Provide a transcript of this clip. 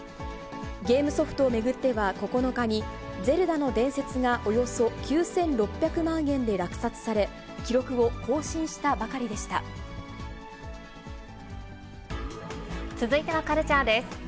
ゲームソフトを巡っては９日に、ゼルダの伝説がおよそ９６００万円で落札され、記録を更新したば続いてはカルチャーです。